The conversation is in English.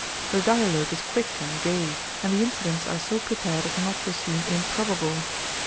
The dialogue is quick and gay, and the incidents are so prepared as not to seem improbable.